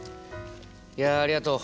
いやありがとう。